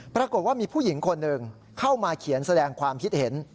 ปรากฏว่ามีผู้หญิงคนหนึ่งเข้ามาเขียนแสดงความคิดเห็น